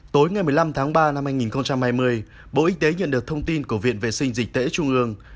tối ngày một mươi năm tháng ba năm hai nghìn hai mươi bộ y tế nhận được thông tin của viện vệ sinh dịch tễ trung ương